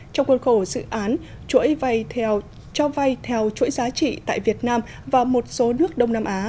trong khuôn khổ dự án chuỗi cho vay theo chuỗi giá trị tại việt nam và một số nước đông nam á